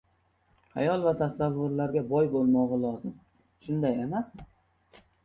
xayol va tasavvurlarga boy bo‘lmog‘i lozim, shunday emasmi?